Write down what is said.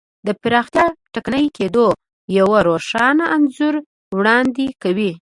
د پراختیا ټکني کېدو یو روښانه انځور وړاندې کوي.